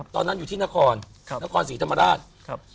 ตอนนั้นอยู่ที่นครนครศรีธรรมราช